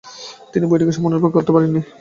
তিনি বইটি সম্পূর্ণ করতে পারেননি।